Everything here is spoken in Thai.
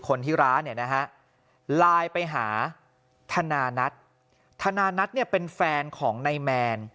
คนที่ร้านเนี่ยนะฮะไลน์ไปหาธนานัทธนานัทเนี่ยเป็นแฟนของนายแมน